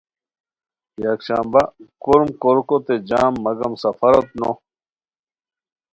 یک شنبہ: کوروم کوریکوت جم مگم سفروت نو